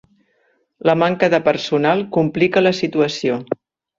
La manca de personal complica la situació.